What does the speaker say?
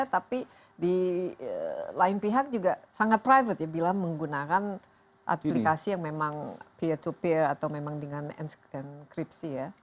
tapi di lain pihak juga sangat private ya bila menggunakan aplikasi yang memang peer to peer atau memang dengan enkripsi ya